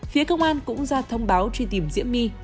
phía công an cũng ra thông báo truy tìm diễm my